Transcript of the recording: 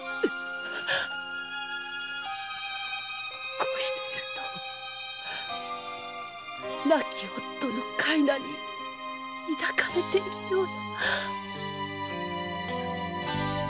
こうしていると亡き夫の腕に抱かれているような。